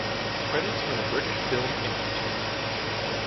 Credits from the British Film Institute.